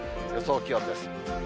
予想気温です。